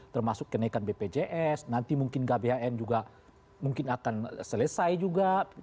termasuk kenaikan bpjs nanti mungkin gbhn juga mungkin akan selesai juga